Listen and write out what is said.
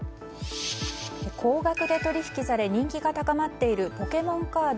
高額で取引され人気が高まっているポケモンカード